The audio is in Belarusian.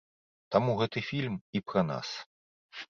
Таму гэты фільм і пра нас.